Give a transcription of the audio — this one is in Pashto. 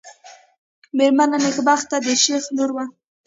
مېرمن نېکبخته د شېخ لور وه.